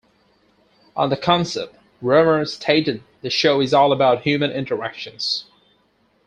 On the concept, Romer stated The show is all about human interactions.